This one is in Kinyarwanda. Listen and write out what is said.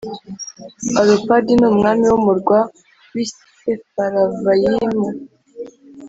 Arupadi n ‘umwami w ‘umurwa w ‘i Sefaravayimu .